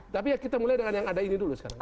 tapi ya kita mulai dengan yang ada ini dulu sekarang